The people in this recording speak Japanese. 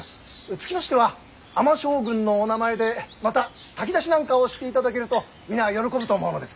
つきましては尼将軍のお名前でまた炊き出しなんかをしていただけると皆喜ぶと思うのですが。